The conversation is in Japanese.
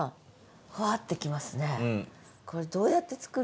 ふわってきますね。